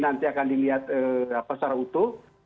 nanti akan dilihat secara utuh